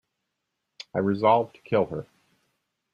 I resolved to kill her.